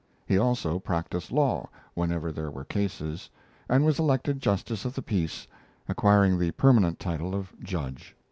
He also practised law whenever there were cases, and was elected justice of the peace, acquiring the permanent title of "Judge."